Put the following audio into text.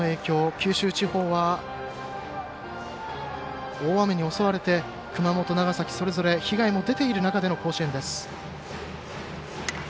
九州地方は大雨に襲われて熊本、長崎それぞれ被害も出ている中での甲子園です。